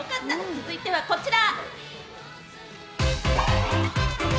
続いてはこちら。